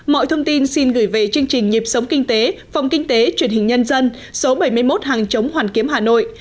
mọi thông tin xin gửi về chương trình nhịp sống kinh tế phòng kinh tế truyền hình nhân dân số bảy mươi một hàng chống hoàn kiếm hà nội